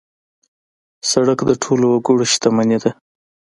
سړک د ټولو وګړو شتمني ده.